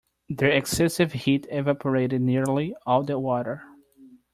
The excessive heat evaporated nearly all the water.